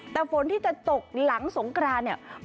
แต่ฝนที่จะตกหลังสงกรานเนี่ย